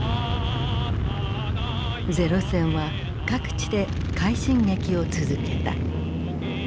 零戦は各地で快進撃を続けた。